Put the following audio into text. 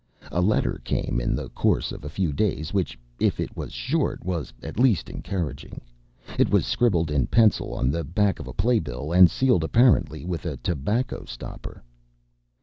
A letter came in the course of a few days, which, if it was short, was at least encouraging. It was scribbled in pencil on the back of a playbill, and sealed apparently with a tobacco stopper.